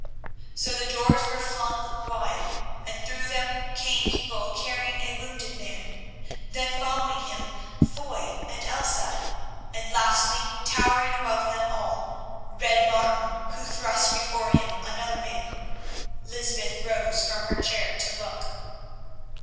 So the doors were flung wide, and through them came people carrying a wounded man, then following him Foy and Elsa, and, lastly, towering above them all, Red Martin, who thrust before him another man. Lysbeth rose from her chair to look.